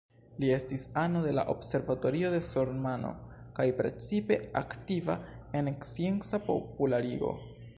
Li estis ano de la Observatorio de Sormano kaj precipe aktiva en scienca popularigo.